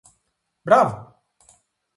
Μπράβο